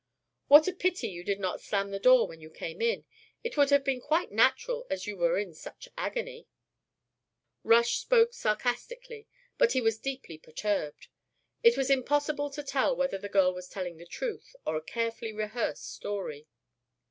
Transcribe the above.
"What a pity you did not slam the door when you came in. It would have been quite natural as you were in such agony." Rush spoke sarcastically, but he was deeply perturbed. It was impossible to tell whether the girl was telling the truth or a carefully rehearsed story.